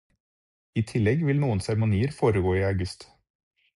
I tillegg vil noen seremonier foregå i august.